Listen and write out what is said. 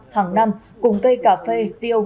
hàng năm cùng cây cà phê tiêu